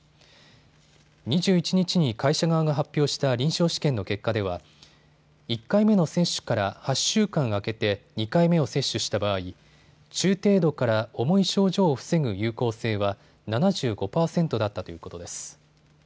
２１日に会社側が発表した臨床試験の結果では１回目の接種から８週間空けて２回目を接種した場合、中程度から重い症状を防ぐ有効性は７５％だったということです。